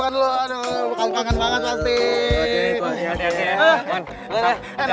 kangen banget nanti